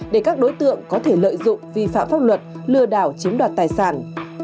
để các đối tượng có thể lợi dụng vi phạm pháp luật lừa đảo chiếm đoạt tài sản